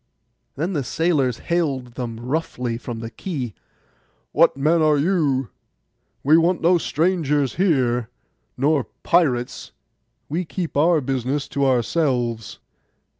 Then the sailors hailed them roughly from the quay, 'What men are you?—we want no strangers here, nor pirates. We keep our business to ourselves.